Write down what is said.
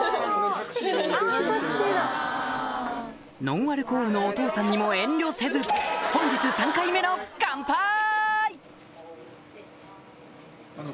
ノンアルコールのお父さんにも遠慮せず本日３回目のカンパイ！